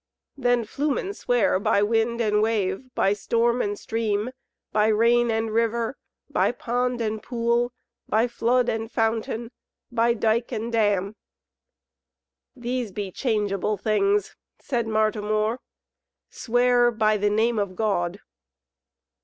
Then Flumen sware by wind and wave, by storm and stream, by rain and river, by pond and pool, by flood and fountain, by dyke and dam. "These be changeable things," said Martimor, "swear by the Name of God."